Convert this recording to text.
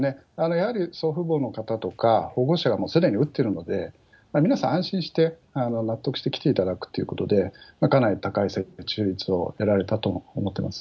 やはり祖父母の方とか、保護者がすでに打ってるので、皆さん、安心して納得して来ていただくということで、かなり高い接種率を得られたと思っています。